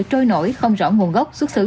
trôi nổi không rõ nguồn gốc xuất xứ